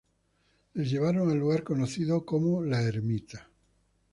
Les llevaron al lugar conocido como "La Ermita".